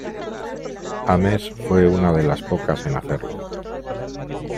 Ames fue una de los pocas en hacerlo.